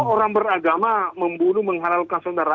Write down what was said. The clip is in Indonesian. orang beragama membunuh menghalalkan saudara